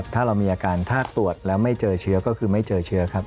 ถ้าเรามีอาการถ้าตรวจแล้วไม่เจอเชื้อก็คือไม่เจอเชื้อครับ